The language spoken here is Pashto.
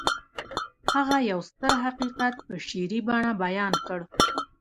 هغه يو ستر حقيقت په شعري بڼه بيان کړ.